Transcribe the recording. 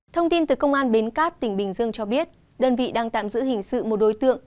thông tin từ công an bến cát tỉnh bình dương cho biết đơn vị đang tạm giữ hình sự một đối tượng